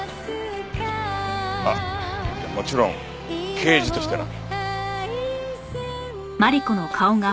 あっもちろん刑事としてな。